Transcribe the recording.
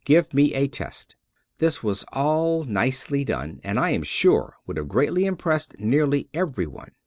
Give me a test" This was all nicely done, and I am sure would have greatly impressed nearly everyone.